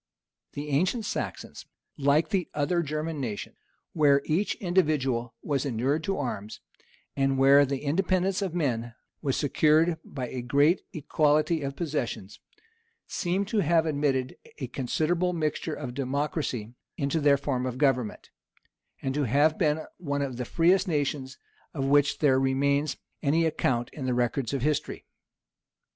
The ancient Saxons, like the other German nations, where each individual was inured to arms, and where the independence of men was secured by a great equality of possessions, seem to have admitted a considerable mixture of democracy into their form of government, and to have been one of the freest nations of which there remains any account in the records of history.